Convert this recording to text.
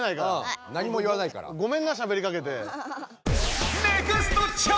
ごめんなしゃべりかけて。